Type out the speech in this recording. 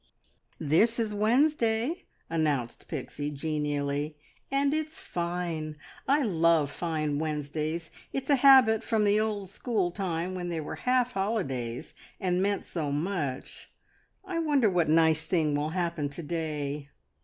"This is Wednesday," announced Pixie genially, "and it's fine. I love fine Wednesdays! It's a habit from the old school time, when they were half holidays, and meant so, much. ... I wonder what nice thing will happen to day."